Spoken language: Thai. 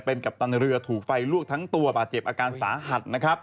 เป็นกัปตันเรือถูกไฟลวกทั้งตัวบาดเจ็บอาการสาหัสนะครับ